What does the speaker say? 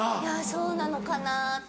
そうなのかなって。